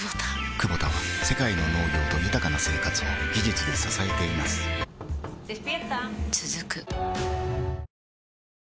クボタは世界の農業と豊かな生活を技術で支えています起きて。